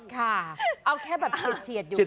ค่ะเอาแค่แบบเฉียดอยู่